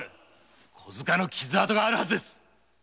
小柄の傷痕があるはずです！